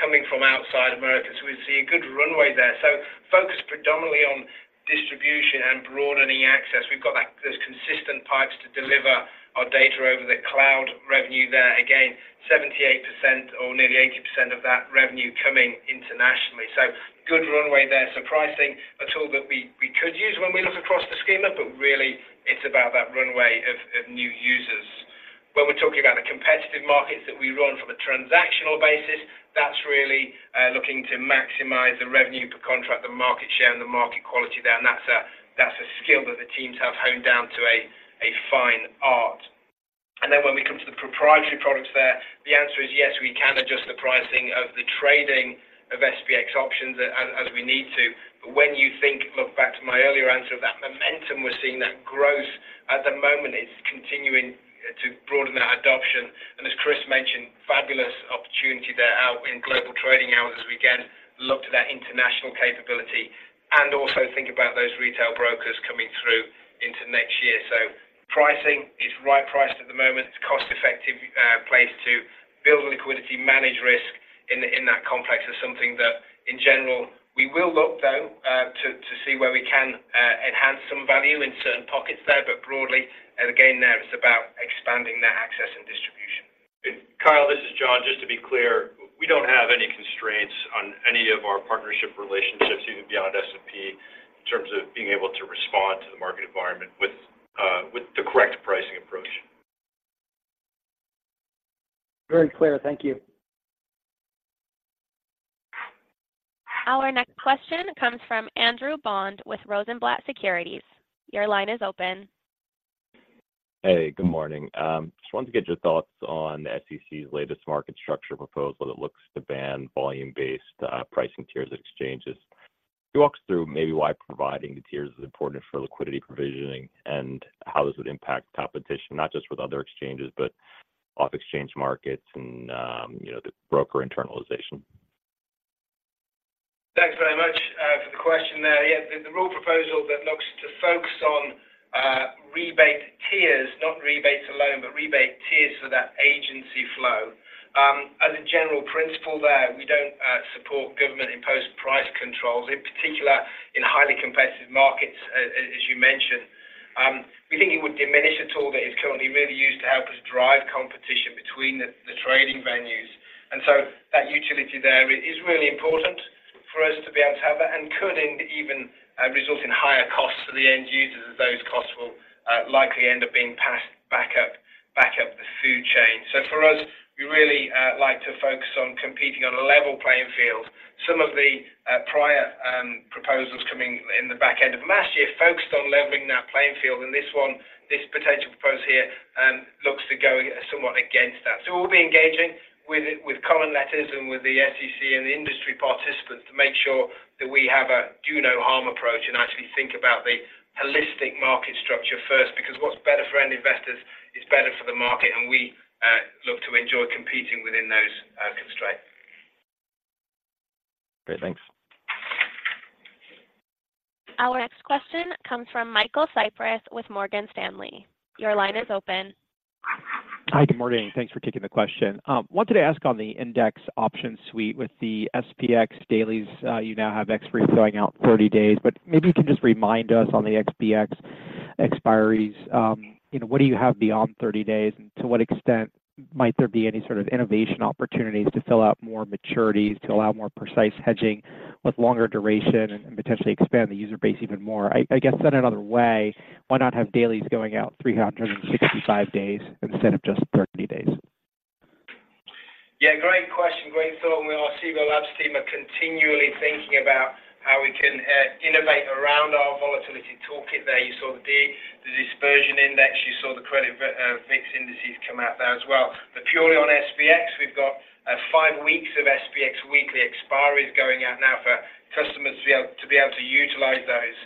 coming from outside America, so we see a good runway there. So focused predominantly on distribution and broadening access. We've got that, those consistent pipes to deliver our data over the cloud revenue there. Again, 78% or nearly 80% of that revenue coming internationally. So good runway there. So pricing, a tool that we, we could use when we look across the schema, but really it's about that runway of, of new users. When we're talking about the competitive markets that we run from a transactional basis, that's really looking to maximize the revenue per contract, the market share, and the market quality there. And that's a skill that the teams have honed down to a fine art. And then when we come to the proprietary products there, the answer is yes, we can adjust the pricing of the trading of SPX options as we need to. But when you think, look back to my earlier answer, that momentum, we're seeing that growth at the moment, it's continuing to broaden that adoption. And as Chris mentioned, fabulous opportunity there out in Global Trading Hours as we again look to that international capability. And also think about those retail brokers coming through into next year. So pricing is right-priced at the moment. It's a cost-effective place to build liquidity, manage risk in that complex, something that, in general, we will look, though, to see where we can enhance some value in certain pockets there. But broadly, again, there, it's about expanding that access and distribution. Kyle, this is John. Just to be clear, we don't have any constraints on any of our partnership relationships, even beyond S&P, in terms of being able to respond to the market environment with the correct pricing approach. Very clear. Thank you. Our next question comes from Andrew Bond with Rosenblatt Securities. Your line is open. Hey, good morning. Just wanted to get your thoughts on the SEC's latest market structure proposal that looks to ban volume-based pricing tiers at exchanges. Can you walk us through maybe why providing the tiers is important for liquidity provisioning, and how this would impact competition, not just with other exchanges, but off-exchange markets and, you know, the broker internalization? Thanks very much for the question there. Yeah, the rule proposal that looks to focus on rebate tiers, not rebates alone, but rebate tiers for that agency flow. As a general principle there, we don't support government-imposed price controls, in particular, in highly competitive markets, as you mentioned. We think it would diminish a tool that is currently really used to help us drive competition between the trading venues. And so that utility there is really important for us to be able to have that and could even result in higher costs to the end users, as those costs will likely end up being passed back up, back up the food chain. So for us, we really like to focus on competing on a level playing field. Some of the prior proposals coming in the back end of last year focused on leveling that playing field, and this one, this potential proposal here, looks to go somewhat against that. So we'll be engaging with comment letters and with the SEC and the industry participants to make sure that we have a do no harm approach and actually think about the holistic market structure first, because what's better for end investors is better for the market, and we look to enjoy competing within those constraints. Great. Thanks. Our next question comes from Michael Cyprys with Morgan Stanley. Your line is open. Hi, good morning. Thanks for taking the question. Wanted to ask on the index option suite with the SPX dailies. You now have XSP going out 30 days, but maybe you can just remind us on the SPX expiries, you know, what do you have beyond 30 days? And to what extent might there be any sort of innovation opportunities to fill out more maturities, to allow more precise hedging with longer duration and potentially expand the user base even more? I guess said another way, why not have dailies going out 365 days instead of just 30 days? Yeah, great question. Great thought. Well, our Cboe Labs team are continually thinking about how we can innovate around our volatility toolkit there. You saw the Dispersion Index, you saw the Credit VIX indices come out there as well. But purely on SPX, we've got five weeks of SPX weekly expiries going out now for customers to be able to utilize those.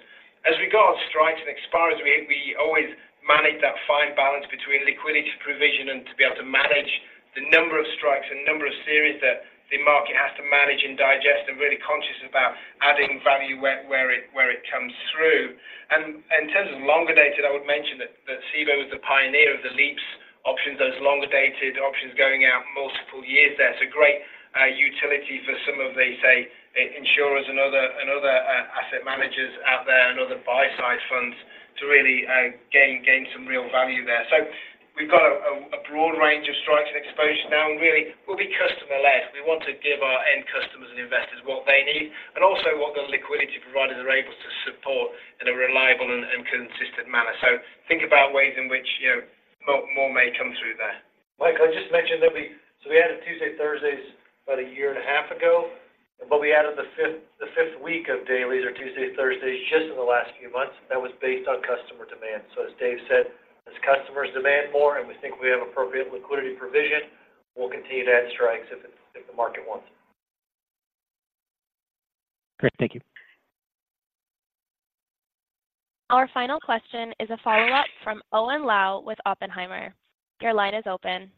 As we go on strikes and expiries, we always manage that fine balance between liquidity provision and to be able to manage the number of strikes and number of series that the market has to manage and digest, and really conscious about adding value where it comes through. And in terms of longer dated, I would mention that Cboe is the pioneer of the LEAPS options, those longer-dated options going out multiple years. There's a great utility for some of the, say, insurers and other asset managers out there and other buy-side funds to really gain some real value there. So we've got a broad range of strikes and exposure now, and really we'll be customer-led. We want to give our end customers and investors what they need, and also what the liquidity providers are able to support in a reliable and consistent manner. So think about ways in which, you know, more may come through there. Mike, I just mentioned that we added Tuesdays, Thursdays about a year and a half ago, but we added the fifth week of dailies or Tuesdays, Thursdays, just in the last few months. That was based on customer demand. As Dave said, as customers demand more, and we think we have appropriate liquidity provision, we'll continue to add strikes if the market wants. Great. Thank you. Our final question is a follow-up from Owen Lau with Oppenheimer. Your line is open.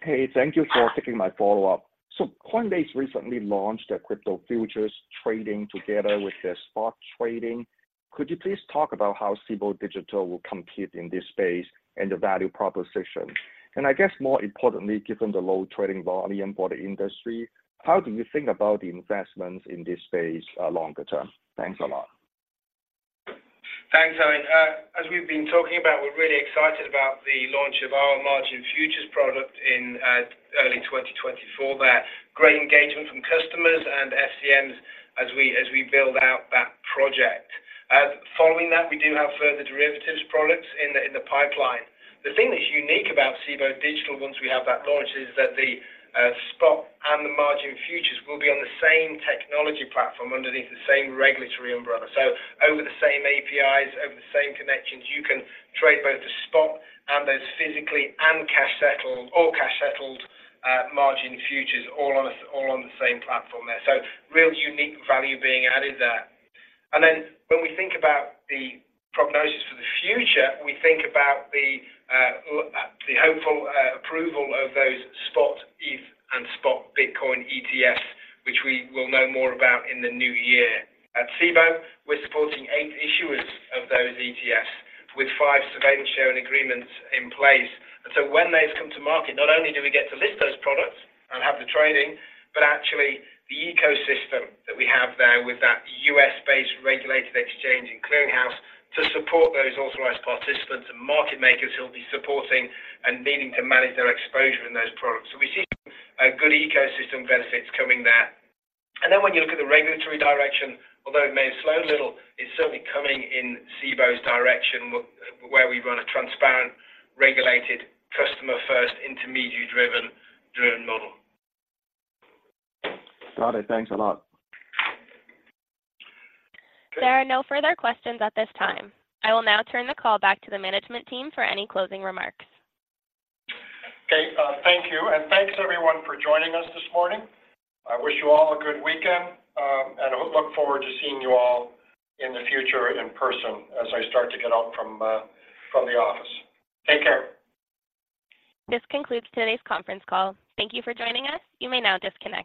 Hey, thank you for taking my follow-up. So Coinbase recently launched their crypto futures trading together with their spot trading. Could you please talk about how Cboe Digital will compete in this space and the value proposition? And I guess more importantly, given the low trading volume for the industry, how do you think about the investments in this space, longer term? Thanks a lot. Thanks, Owen. As we've been talking about, we're really excited about the launch of our margin futures product in early 2024. There are great engagement from customers and FCMs as we build out that project. Following that, we do have further derivatives products in the pipeline. The thing that's unique about Cboe Digital, once we have that launch, is that the spot and the margin futures will be on the same technology platform underneath the same regulatory umbrella. So over the same APIs, over the same connections, you can trade both the spot and those physically and cash-settled, all cash-settled margin futures, all on the same platform there. So real unique value being added there. And then when we think about the prognosis for the future, we think about the hopeful approval of those spot ETH and spot Bitcoin ETFs, which we will know more about in the new year. At Cboe, we're supporting eight issuers of those ETFs, with five surveillance sharing agreements in place. And so when those come to market, not only do we get to list those products and have the trading, but actually the ecosystem that we have there with that U.S.-based regulated exchange and clearinghouse to support those authorized participants and market makers who will be supporting and needing to manage their exposure in those products. So we see a good ecosystem benefits coming there. Then when you look at the regulatory direction, although it may have slowed a little, it's certainly coming in Cboe's direction, where we run a transparent, regulated, customer-first, intermediary-driven model. Got it. Thanks a lot. There are no further questions at this time. I will now turn the call back to the management team for any closing remarks. Okay, thank you. Thanks, everyone, for joining us this morning. I wish you all a good weekend, and I look forward to seeing you all in the future in person as I start to get out from, from the office. Take care. This concludes today's conference call. Thank you for joining us. You may now disconnect.